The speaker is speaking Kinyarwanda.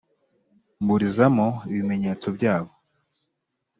Mburizamo ibimenyetso byabo